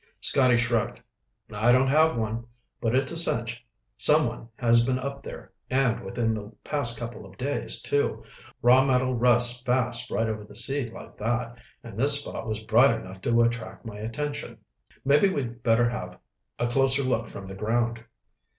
Scotty shrugged. "I don't have one. But it's a cinch someone has been up there, and within the past couple of days, too. Raw metal rusts fast right over the sea like that, and this spot was bright enough to attract my attention. Maybe we'd better have a closer look from the ground."